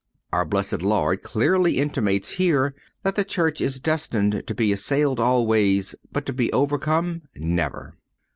(102) Our blessed Lord clearly intimates here that the Church is destined to be assailed always, but to be overcome, never.